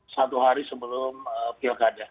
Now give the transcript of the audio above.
satu hari sebelum pilkada